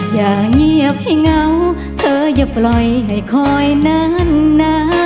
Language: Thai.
อย่าเงียบให้เหงาเธออย่าปล่อยให้คอยนานนะ